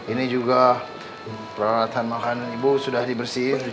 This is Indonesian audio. ini juga peralatan makanan ibu sudah dibersihin